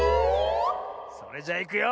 それじゃいくよ。